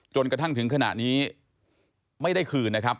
จนกระทั่งถึงขณะนี้ไม่ได้คืนนะครับ